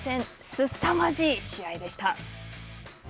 すさまじい試合でした。